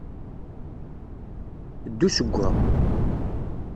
Ddu seg-a.